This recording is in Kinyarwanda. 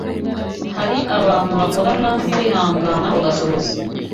hari abantu bakorana kwihangana bagasohoza